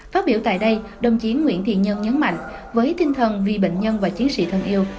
phát biểu tại đây đồng chí nguyễn thiện nhân nhấn mạnh với tinh thần vì bệnh nhân và chiến sĩ thân yêu